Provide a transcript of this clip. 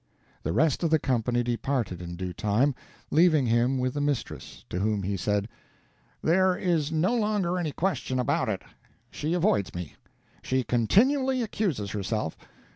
The rest of the company departed in due time, leaving him with the mistress, to whom he said: "There is no longer any question about it. She avoids me. She continually excuses herself.